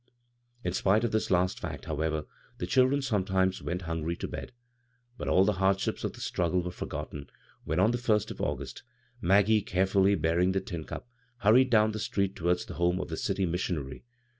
In spite of this last fact, however, the children sometimes went hungry to bed. But all the hardships of the struggle were forgotten when, on the first of August, Maggie, carefully bearing the tin cup, hurried down the street towards the home of the city missionary.